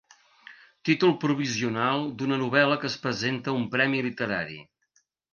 Títol provisional d'una novel·la que es presenta a un premi literari.